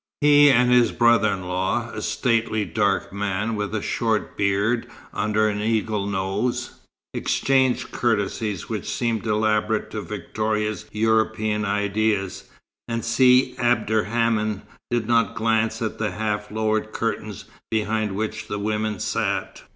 He and his brother in law, a stately dark man with a short black beard under an eagle nose, exchanged courtesies which seemed elaborate to Victoria's European ideas, and Si Abderrhaman did not glance at the half lowered curtains behind which the women sat.